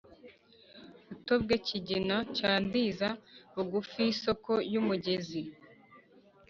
rutobwe, kigina cya ndiza bugufi y'isoko y'umugezi